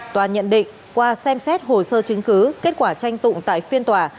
tòa nhận định qua xem xét hồ sơ chứng cứ kết quả tranh tụng tại phiên tòa